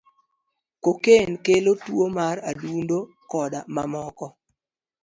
Cocaine kelo tuo mar adundo, koda mamoko.